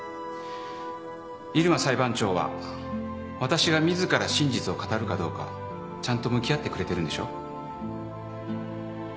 入間裁判長は私が自ら真実を語るかどうかちゃんと向き合ってくれてるんでしょ。